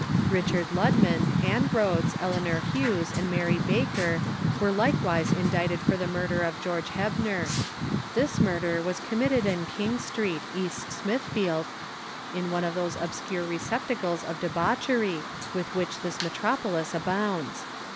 Richard Ludman, Ann Rhodes, Eleanor Hughes, and Mary Baker, were likewise indicted for the murder of George Hebner. This murder was committed in King street, East Smithfield, in one of those obscure receptacles of debauchery with which this metropolis abounds.